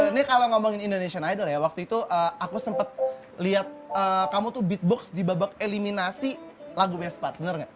ini kalo ngomongin indonesian idol ya waktu itu aku sempet liat kamu tuh beatbox di babak eliminasi lagu best part bener gak